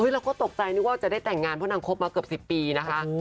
เราก็ตกใจนึกว่าจะได้แต่งงานเพราะนางคบมาเกือบ๑๐ปีนะคะ